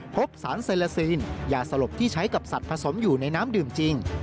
พบสารเซลาซีนยาสลบที่ใช้กับสัตว์ผสมอยู่ในน้ำดื่มจริง